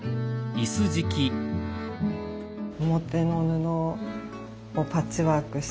表の布をパッチワークして。